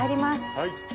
はい。